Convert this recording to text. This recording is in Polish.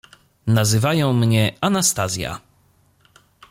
"Nazywają mnie Anastazja."